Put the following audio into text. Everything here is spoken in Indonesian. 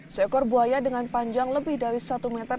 seekor buaya dengan panjang lebih dari satu meter